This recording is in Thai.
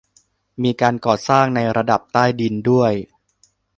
มีการก่อสร้างในระดับใต้ดินด้วย